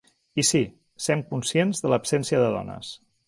I sí, sem conscients de l'absència de dones.